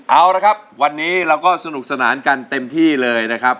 เอาละครับวันนี้เราก็สนุกสนานกันเต็มที่เลยนะครับ